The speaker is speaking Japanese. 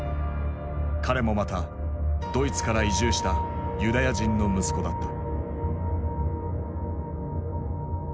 彼もまたドイツから移住したユダヤ人の息子だった。